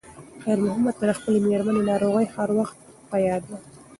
خیر محمد ته د خپلې مېرمنې ناروغي هر وخت په یاد وه.